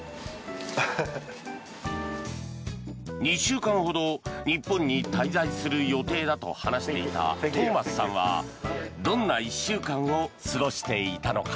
２週間ほど日本に滞在する予定だと話していたトーマスさんはどんな１週間を過ごしていたのか。